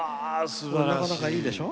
なかなかいいでしょ？